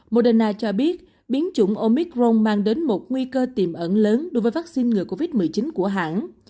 moderna cho biết biến chủng omicron mang đến một nguy cơ tiềm ẩn lớn đối với vắc xin ngừa covid một mươi chín của hãng